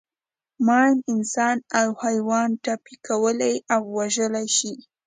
ماین انسان او حیوان ټپي کولای او وژلای شي.